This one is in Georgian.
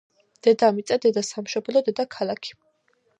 დედამიწა, დედასამშობლო, დედაქალაქი...